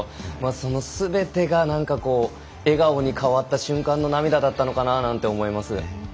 そのすべてが笑顔に変わった瞬間の涙だったのかなと思います。